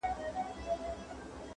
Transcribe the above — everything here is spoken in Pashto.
امتحان لره راغلی کوه کن د زمانې یم ،